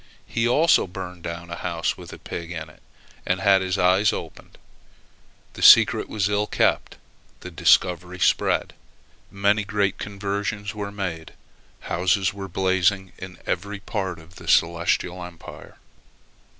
He also burned down a house with a pig in it, and had his eyes opened. The secret was ill kept the discovery spread many great conversions were made houses were blazing in every part of the Celestial Empire.